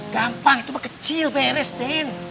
gampang itu mah kecil beres den